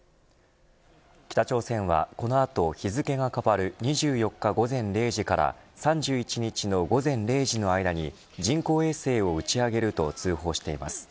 北朝鮮はこの後日付が変わる２４日午前０時から３１日の午前０時の間に人工衛星を打ち上げると通報しています。